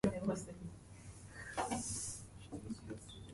I regret everybody heard what I said.